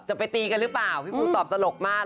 ไปตีกันหรือเปล่าพี่ปูตอบตลกมาก